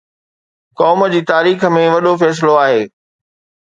قوم جي تاريخ ۾ وڏو فيصلو آهي